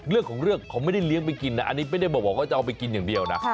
เรื่องของเรื่องเขาไม่ได้เลี้ยงไปกินนะอันนี้ไม่ได้บอกว่าจะเอาไปกินอย่างเดียวนะ